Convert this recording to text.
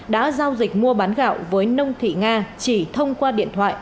đã giao dịch mua bán gạo với nông thị nga chỉ thông qua điện thoại